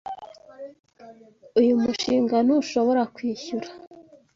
Uyu mushinga ntushobora kwishyura.